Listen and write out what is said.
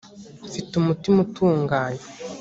mfite umutima utunganye